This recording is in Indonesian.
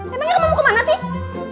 emangnya kamu mau kemana sih